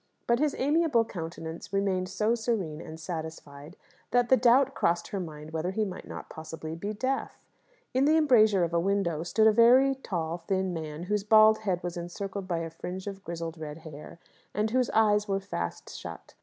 But his amiable countenance remained so serene and satisfied, that the doubt crossed her mind whether he might not possibly be deaf. In the embrasure of a window stood a very tall, thin man, whose bald head was encircled by a fringe of grizzled red hair, and whose eyes were fast shut.